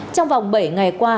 trong vòng bảy ngày qua